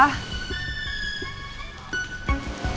mau tuh maunya apa